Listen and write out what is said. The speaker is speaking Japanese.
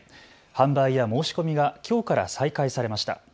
販売や申し込みがきょうから再開されました。